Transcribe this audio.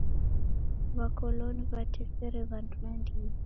W'akoloni w'atesere w'andu nandighi.